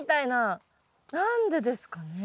何でですかね？